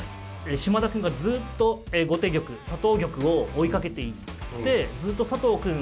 嶋田くんがずっと後手玉佐藤玉を追いかけていってずっと佐藤くん